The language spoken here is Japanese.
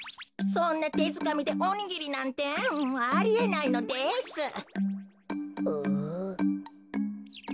そんなてづかみでおにぎりなんてありえないのです。